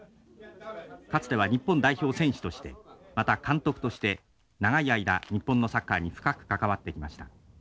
かつては日本代表選手としてまた監督として長い間日本のサッカーに深く関わってきました。